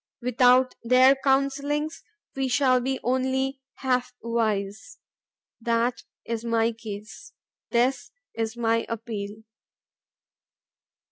Without their counselings we shall be only half wise. That is my case. This is my appeal.